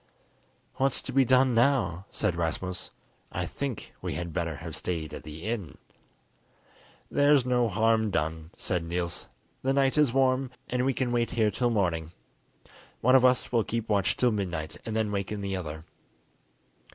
"What's to be done now?" said Rasmus. "I think we had better have stayed at the inn." "There's no harm done," said Niels. "The night is warm, and we can wait here till morning. One of us will keep watch till midnight, and then waken the other."